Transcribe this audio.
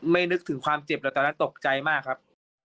นึกถึงความเจ็บแล้วตอนนั้นตกใจมากครับ